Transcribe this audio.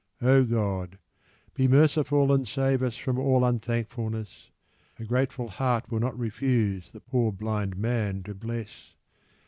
. Oh, God, be merciful and save Us from all un thank fulness ! A grateful heart will not refuse The poor blind man to bless.